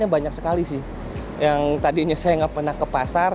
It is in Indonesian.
banyak sekali sih yang tadinya saya nggak pernah ke pasar